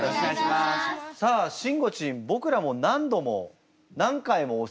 さあしんごちん僕らも何度も何回もお世話になっておりますね。